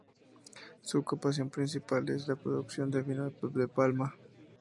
Su ocupación principal es la producción de vino de palma.